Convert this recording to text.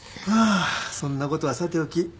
まあそんなことはさておき。